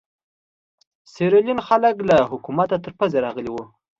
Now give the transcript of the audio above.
سیریلیون خلک له حکومته تر پزې راغلي وو.